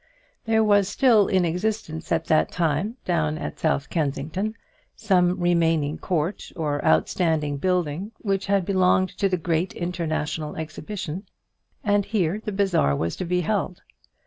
There was still in existence at that time, down at South Kensington, some remaining court or outstanding building which had belonged to the Great International Exhibition, and here the bazaar was to be held.